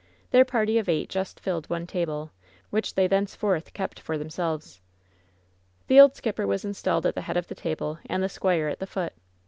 Their party of eight just filled one table, which they thenceforth kept for themselves. The old skipper was installed at tho. head of the table and the squire at the foot. Mrs.